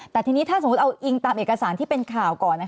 แต่ถ้าเอาตามเอกสารที่เป็นข่าวก่อน